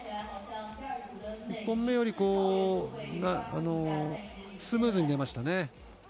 １本目よりスムーズに出ましたね。